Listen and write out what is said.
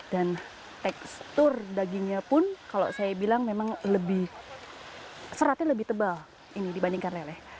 dan tekstur dagingnya pun kalau saya bilang seratnya lebih tebal dibandingkan lele